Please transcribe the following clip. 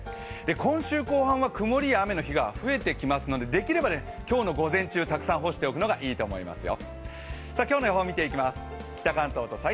今週後半は曇りや雨のところが増えてきますのでできれば今日の午前中たくさん干しておくのがいいと思いますよ。